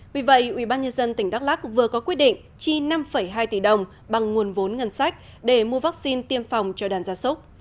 vì vậy ubnd tỉnh đắk lắc vừa có quyết định chi năm hai tỷ đồng bằng nguồn vốn ngân sách để mua vaccine tiêm phòng cho đàn gia súc